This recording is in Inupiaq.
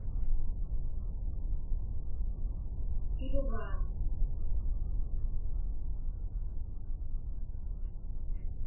Tigugaa.